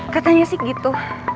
katanya sih gitu